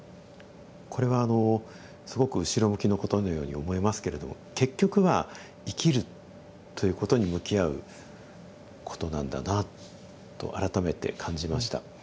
これはあのすごく後ろ向きのことのように思えますけれども結局は生きるということに向き合うことなんだなと改めて感じました。